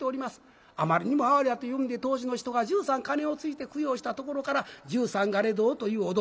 あまりにも哀れやというんで当時の人が１３鐘をついて供養したところから十三鐘堂というお堂